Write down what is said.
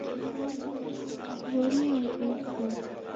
Seiw'onieghe iguo.